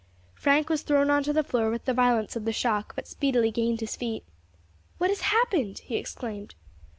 Frank was thrown on to the floor with the violence of the shock, but speedily gained his feet. "What has happened?" he exclaimed.